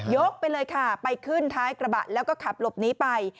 ไปเลยค่ะไปขึ้นท้ายกระบะแล้วก็ขับหลบหนีไป